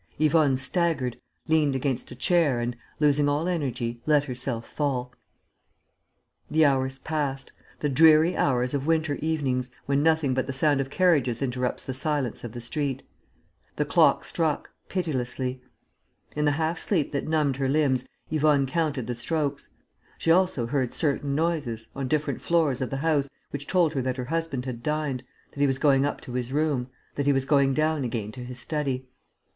Yvonne staggered, leant against a chair and, losing all energy, let herself fall. The hours passed by, the dreary hours of winter evenings when nothing but the sound of carriages interrupts the silence of the street. The clock struck, pitilessly. In the half sleep that numbed her limbs, Yvonne counted the strokes. She also heard certain noises, on different floors of the house, which told her that her husband had dined, that he was going up to his room, that he was going down again to his study.